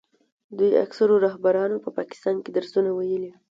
دوی اکثرو رهبرانو په پاکستان کې درسونه ویلي.